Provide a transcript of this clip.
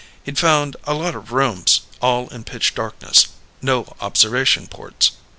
He'd found a lot of rooms all in pitch darkness. No observation ports.